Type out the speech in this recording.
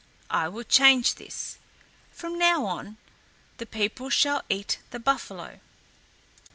I will change this; from now on the people shall eat the buffalo."